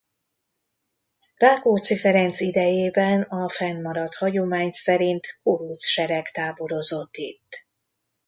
Rákóczi Ferenc idejében a fennmaradt hagyomány szerint kuruc sereg táborozott itt.